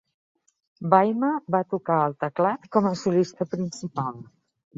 Byrne va tocar el teclat com a solista principal.